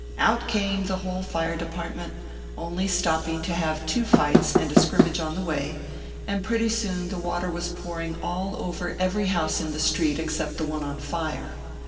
Out came the whole Fire Department, only stopping to have jtwo fights and a scrimmage on the way, and pretty soon the water was pouring all 316 OKPHEUS C. KERR PAPERS. over every house in the street except the one on fire.